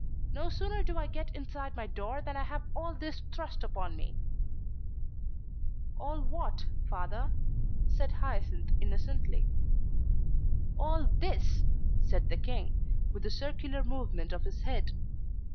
No sooner do I get inside my door than I have all this thrust upon me." "All what, Father?" said Hyacinth innocently. "All this," said the King, with a circular movement of his hand.